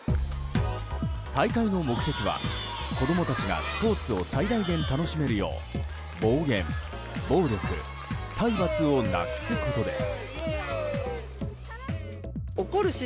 大会の目的は、子供たちがスポーツを最大限楽しめるよう暴言、暴力、体罰をなくすことです。